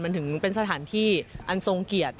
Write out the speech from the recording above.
มันถึงเป็นสถานที่อันทรงเกียรติ